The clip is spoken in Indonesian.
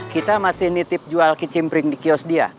kita masih nitip jual kicimpring di kios dia